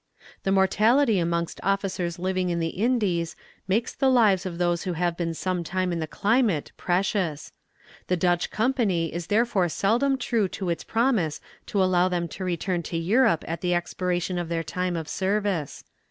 "The mortality amongst officers living in the Indies makes the lives of those who have been some time in the climate precious; the Dutch Company is therefore seldom true to its promise to allow them to return to Europe at the expiration of their time of service.